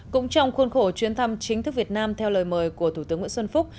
cũng trong khuôn khổ chuyến thăm chính thức việt nam theo lời mời của thủ tướng nguyễn xuân phúc